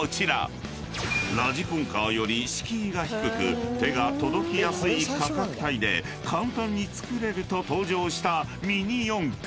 ［ラジコンカーより敷居が低く手が届きやすい価格帯で簡単に作れると登場した］